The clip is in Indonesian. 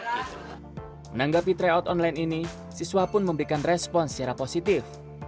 menanggapi tryout online ini siswa pun memberikan respon secara positif